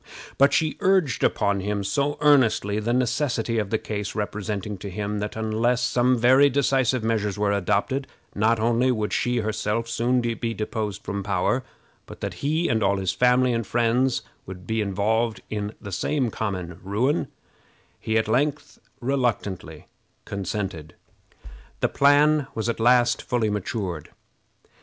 But she urged upon him so earnestly the necessity of the case, representing to him that unless some very decisive measures were adopted, not only would she herself soon be deposed from power, but that he and all his family and friends would be involved in the same common ruin, he at length reluctantly consented. The plan was at last fully matured.